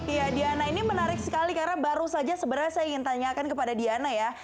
iya diana ini menarik sekali karena baru saja sebenarnya saya ingin tanyakan kepada diana ya